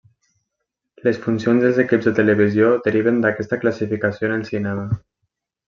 Les funcions dels equips de televisió deriven d'aquesta classificació en el cinema.